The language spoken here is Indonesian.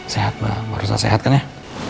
sehat mbak rosa sehat kan ya